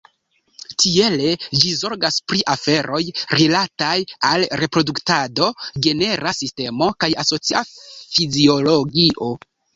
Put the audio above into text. Tiele ĝi zorgas pri aferoj rilataj al reproduktado, genera sistemo kaj asocia fiziologio.